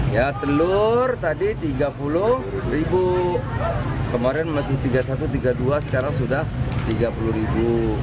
ya telur tadi tiga puluh ribu kemarin masih rp tiga puluh satu tiga puluh dua sekarang sudah tiga puluh ribu